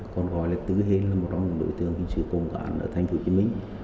còn gọi là tứ hên là một đối tượng hình sự công an ở tp hcm